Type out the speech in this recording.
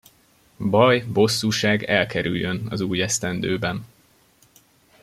Baj, bosszúság elkerüljön az új esztendőben!